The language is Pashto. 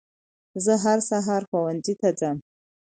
زه هر سهار ښوونځي ته ځم